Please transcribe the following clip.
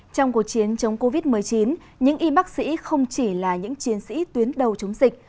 trong cuộc chiến chống covid một mươi chín những y bác sĩ không chỉ là những chiến sĩ tuyến đầu chống dịch